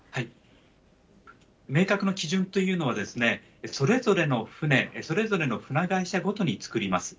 明確な基準というのは、それぞれの船、それぞれの船会社ごとに作ります。